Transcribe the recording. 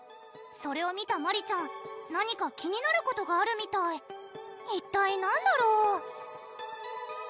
それを見たマリちゃん何か気になることがあるみたい一体何だろう？